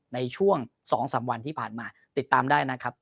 ในช่วง๒๓วันที่ผ่านมาติดตามได้นะครับ